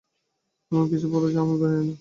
এমনকিছু বলো যা আমি জানি না।